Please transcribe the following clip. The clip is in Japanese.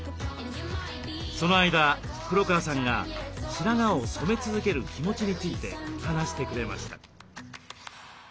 その間黒川さんが白髪を染め続ける気持ちについて話してくれました。